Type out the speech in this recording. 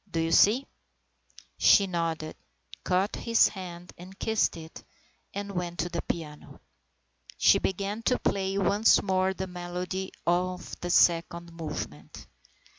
Do you see ?" She nodded, caught his hand and kissed it, and went to the piano. She began to play once more the melody of the second movement.